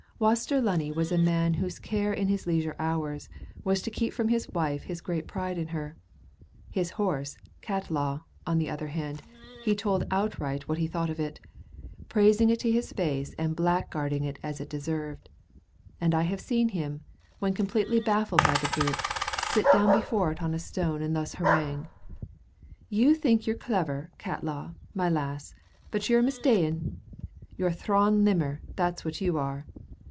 Waster Lunny was a man whose care in his leisure hours was to keep from his wife his great pride in her. His horse, Catlaw, on the other hand, he told outright what he thought of it, praising it to its face and blackguarding it as it deserved, and I have seen him, when completely baffled by the brute, sit down before it on a stone and thus harangue: "You think you're clever, Catlaw, my lass, but you're mista'en. You're a thrawn limmer, that's what you are.